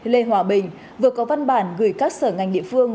lê hòa bình vừa có văn bản gửi các sở ngành địa phương